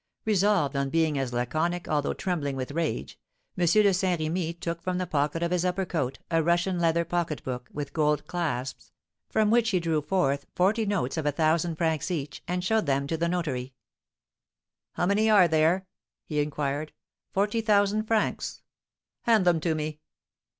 Resolved on being as laconic, although trembling with rage, M. de Saint Remy took from the pocket of his upper coat a Russian leather pocket book, with gold clasps, from which he drew forth forty notes of a thousand francs each, and showed them to the notary. "How many are there?" he inquired. "Forty thousand francs." "Hand them to me!"